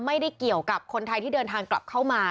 ไม่ได้เกี่ยวกับคนไทยที่เดินทางกลับเข้ามา